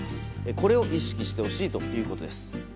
これを意識してほしいということです。